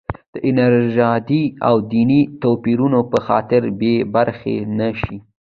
د نژادي او دیني توپیرونو په خاطر بې برخې نه شي.